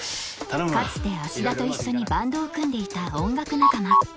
かつて芦田と一緒にバンドを組んでいた音楽仲間